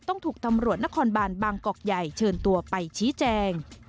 ต้องถูกตำรวจนครบานบางกอกใหญ่เชิญตัวไปชี้แจง